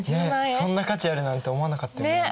そんな価値あるなんて思わなかったね。ね？